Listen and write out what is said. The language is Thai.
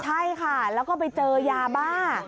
ใช่ค่ะแล้วก็ไปเจอยาบ้า